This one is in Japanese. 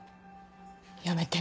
やめて。